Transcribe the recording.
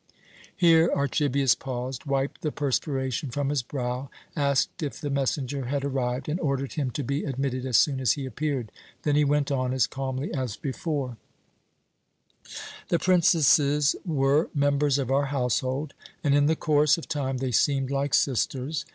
Here Archibius paused, wiped the perspiration from his brow, asked if the messenger had arrived, and ordered him to be admitted as soon as he appeared. Then he went on as calmly as before: "The princesses were members of our household, and in the course of time they seemed like sisters.